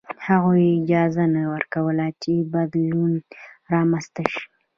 هغوی اجازه نه ورکوله چې بدلون رامنځته شي.